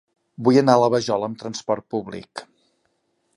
Vull anar a la Vajol amb trasport públic.